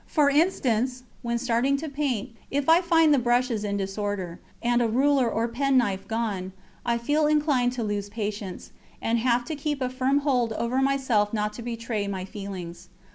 For instance: when starting to paint, if I find the brushes in disorder, and a ruler or penknife gone, I feel inclined to lose patience, and have to keep a firm hold over myself not to betray my feelings.